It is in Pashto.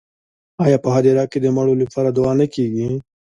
آیا په هدیره کې د مړو لپاره دعا نه کیږي؟